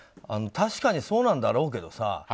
確かにそうなんだろうけどさ。